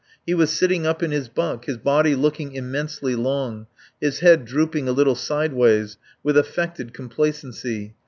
He was sitting up in his bunk, his body looking immensely long, his head drooping a little sideways, with affected complacency.